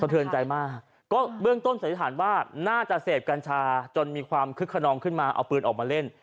เทือนใจมากก็เบื้องต้นสันนิษฐานว่าน่าจะเสพกัญชาจนมีความคึกขนองขึ้นมาเอาปืนออกมาเล่น